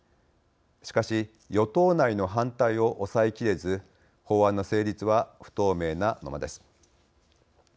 しかし与党内の反対を抑えきれず法案の成立は不透明なままです。